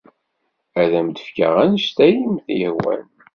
Ad am-d-fkeɣ anect ay am-yehwan.